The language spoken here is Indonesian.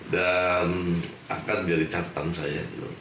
dan akan jadi catatan saya